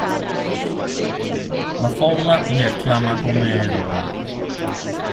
La folla li acclama come eroi.